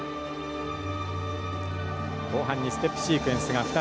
後半にステップシークエンスが２つ。